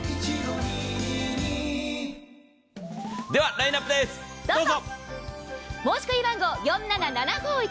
ラインナップです、どうぞ！